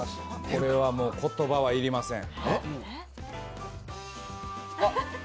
これはもう言葉はいりません。